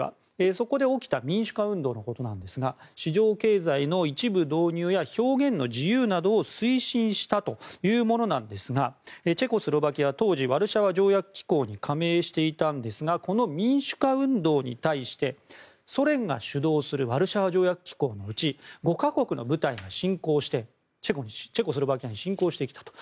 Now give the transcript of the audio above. そこで起きた民主化運動のことなんですが市場経済の一部導入や表現の自由などを推進したというものなんですがチェコスロバキア当時、ワルシャワ条約機構に加盟していたんですがこの民主化運動に対してソ連が主導するワルシャワ条約機構のうち５か国の部隊が侵攻してチェコスロバキアに侵攻してきたと。